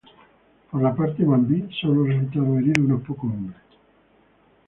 Por la parte mambí solo resultaron heridos unos pocos hombres.